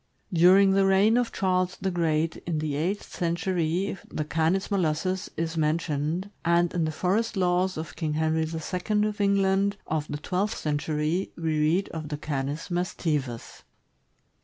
During the reign of Charles the Great, in the eighth century, the Canis molossus is mentioned, and in the for est laws of King Henry II. of England, of the twelfth century, we read of the Canis mastivus.